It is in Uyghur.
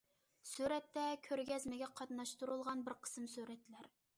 سۈرەتتە: كۆرگەزمىگە قاتناشتۇرۇلغان بىر قىسىم سۈرەتلەر.